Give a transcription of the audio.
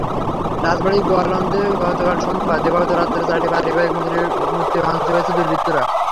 রাজবাড়ীর গোয়ালন্দে গতকাল সোমবার দিবাগত রাতে চারটি পারিবারিক মন্দিরের মূর্তি ভাঙচুর করেছে দুর্বৃত্তরা।